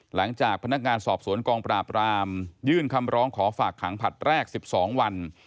หลังจากพนักงานสอบสวนกองปราบรามยื่นคำร้องขอฝากขังผลัดแรก๑๒วัน